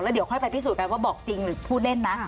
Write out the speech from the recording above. เดี๋ยวค่อยไปพิสูจน์กันว่าบอกจริงหรือพูดเล่นนะ